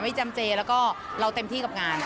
จำเจแล้วก็เราเต็มที่กับงาน